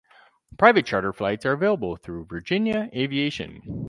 Private charter flights are available through Virginia Aviation.